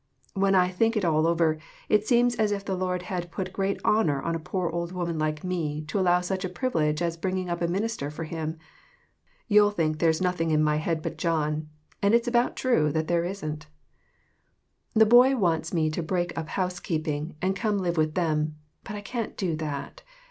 When I think it all over, it seems as if the Lord had put great honor on a poor old woman like me to allow me such a privilege as bringing up a minister for him. You'll think there's nothing in my head but John, and it's about true that there isn't. AUNT HANNAH S LETTER TO HER SISTER. 5 That boy wants me to "break up house keeping and come and live with them ; but I can't do that.